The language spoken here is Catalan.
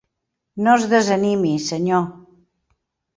No es desanimi, senyor.